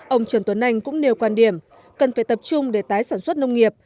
ông trần tuấn anh cũng nêu quan điểm cần phải tập trung để tái sản xuất nông nghiệp